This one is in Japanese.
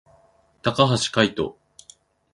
高橋海人